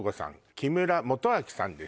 木村元耀さんです